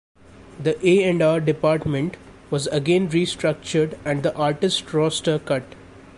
The A and R department was again restructured and the artist roster cut.